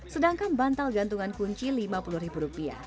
sedangkan bantal gantungan kunci rp lima puluh